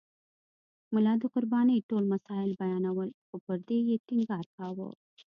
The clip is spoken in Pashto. ملا د قربانۍ ټول مسایل بیانول خو پر دې یې ټینګار کاوه.